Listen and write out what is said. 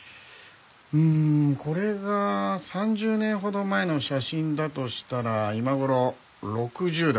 うーんこれが３０年ほど前の写真だとしたら今頃６０代でしょうか？